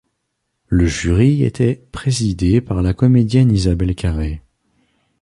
Le jury était présidé par la comédienne Isabelle Carré.